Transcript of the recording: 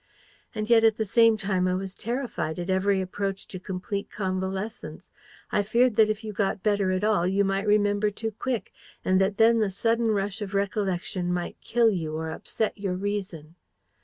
And yet at the same time, I was terrified at every approach to complete convalescence: I feared that if you got better at all, you might remember too quick, and that then the sudden rush of recollection might kill you or upset your reason.